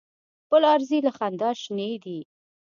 پر لار ځي له خندا شینې دي.